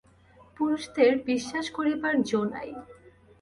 পুরুষদের বিশ্বাস করিবার জো নাই।